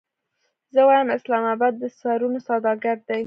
زه وایم اسلام اباد د سرونو سوداګر دی.